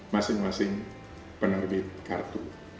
masing masing penerbit kartu